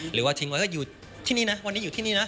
หรือว่าทิ้งไว้ก็อยู่ที่นี่นะวันนี้อยู่ที่นี่นะ